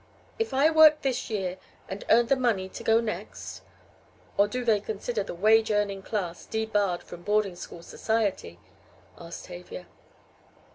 "If I worked this year and earned the money to go next? Or do they consider the wage earning class debarred from boarding school society?" asked Tavia.